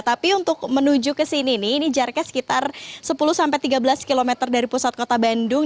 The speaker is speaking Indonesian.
tapi untuk menuju ke sini nih ini jaraknya sekitar sepuluh sampai tiga belas km dari pusat kota bandung